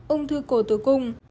ung thư cổ tử cung